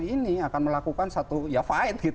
ini akan melakukan satu ya fight